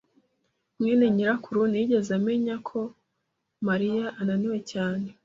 mwene nyirakuru ntiyigeze amenya ko Mariya ananiwe cyane.